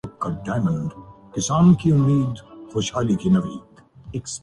Asia cup کا final کون کھیلے گا پاکستان اور بنگلہ دیش مدمقابل